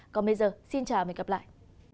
còn bây giờ xin chào và hẹn gặp lại